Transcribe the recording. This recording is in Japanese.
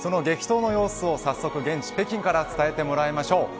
その激闘の様子を早速北京から伝えてもらいましょう。